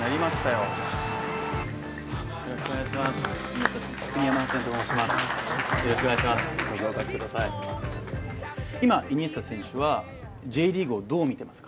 よろしくお願いします